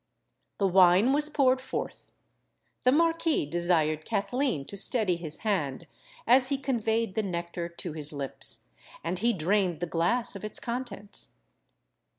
The wine was poured forth: the Marquis desired Kathleen to steady his hand as he conveyed the nectar to his lips; and he drained the glass of its contents.